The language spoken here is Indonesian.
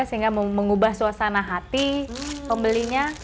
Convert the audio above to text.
sehingga mengubah suasana hati pembelinya